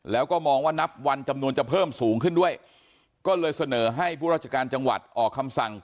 แล้วก็มองว่านับวันจำนวนจะเพิ่มสูงขึ้นด้วยก็เลยเสนอให้ผู้ราชการจังหวัดออกคำสั่ง